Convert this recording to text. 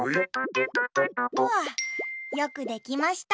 わあよくできました。